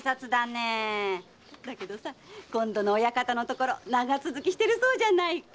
だけど今度の親方のところは長続きしてるそうじゃないか。